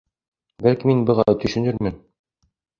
Бәлки мин быға төшөнөрмөн.